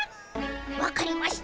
分かりました。